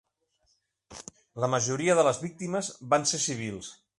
La majoria de les víctimes van ser civils.